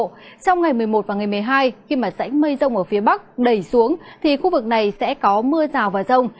trong ngày một mươi một và ngày một mươi hai khi rãnh mây rông ở phía bắc đẩy xuống thì khu vực này sẽ có mưa rào và rông